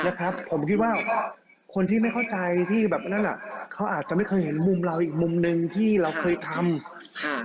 นะครับผมคิดว่าคนที่ไม่เข้าใจที่แบบอันนั้นอ่ะเขาอาจจะไม่เคยเห็นมุมเราอีกมุมหนึ่งที่เราเคยทำค่ะ